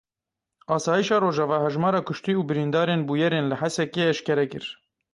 Asayişa Rojava hejmara kuştî û birîndarên bûyerên li Hesekê eşkere kir.